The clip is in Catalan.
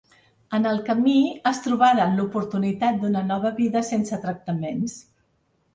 En el camí es trobaran l’oportunitat d’una nova vida sense tractaments.